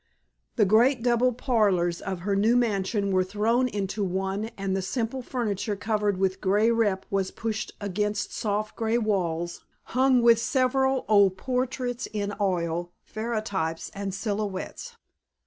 The great double parlors of her new mansion were thrown into one and the simple furniture covered with gray rep was pushed against soft gray walls hung with several old portraits in oil, ferrotypes and silhouettes.